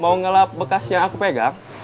mau ngelap bekas yang aku pegang